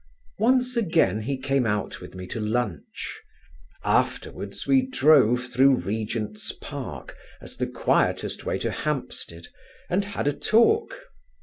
Once again he came out with me to lunch. Afterwards we drove through Regent's Park as the quietest way to Hampstead and had a talk.